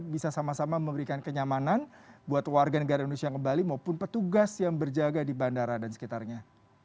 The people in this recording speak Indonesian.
bisa sama sama memberikan kenyamanan buat warga negara indonesia yang kembali maupun petugas yang berjaga di bandara dan sekitarnya